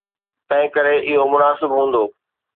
تنهنڪري اهو مناسب هوندو.